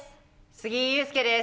杉井勇介です。